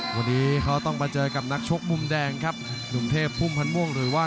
วันนี้เขาต้องมาเจอกับนักชกมุมแดงครับหนุ่มเทพพุ่มพันธ์ม่วงหรือว่า